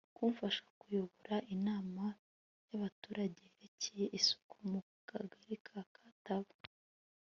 kumfasha kuyobora inama y'abaturage yerekeye isuku mu kagari ka taba